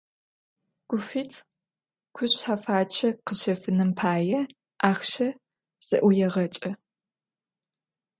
Гуфит кушъхьэфачъэ къыщэфыным пае ахъщэ зэӀуегъэкӏэ.